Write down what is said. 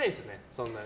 そんなに。